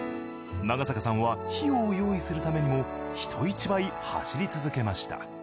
長坂さんは費用を用意するためにも人一倍走り続けました。